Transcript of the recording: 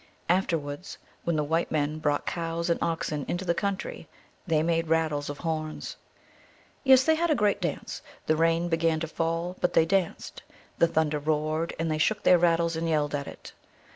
Afterwards, when the white men brought cows and oxen into the country, they made rattles of horns. Yes, they had a great dance. The rain began to fall, but they danced. The thunder roared, and they shook their rattles and yelled at it.